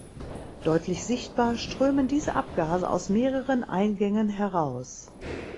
Deutlich sichtbar strömen diese Abgase aus mehreren Eingängen heraus.